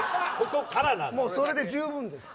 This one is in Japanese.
それで十分です。